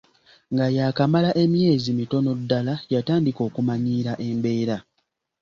Nga yakamala emyezi mitono ddala, y’atandika okumanyiira embeera.